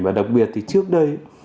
và đặc biệt thì trước đây